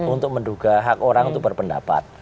untuk menduga hak orang itu berpendapat